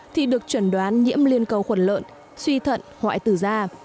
thì được chuẩn đoán nhiễm liên cầu khuẩn lợn suy thận hoại tử da